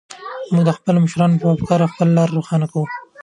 موږ د خپلو مشرانو په افکارو خپله لاره روښانه کوو.